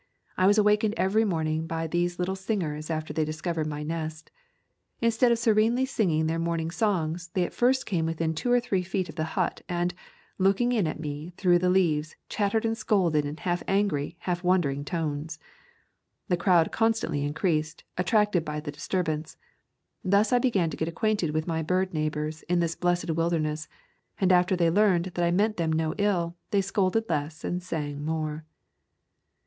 I was awakened every morning by these little singers after they discovered my nest. Instead of serenely singing their morning songs they at first came within two or three feet of the hut, and, looking in at me through the leaves, chattered and scolded in half angry, half wondering tones. The crowd constantly increased, attracted by the disturbance. Thus I began to get acquainted with my bird neigh bors in this blessed wilderness, and after they learned that I meant them no ill they scolded less and sang more.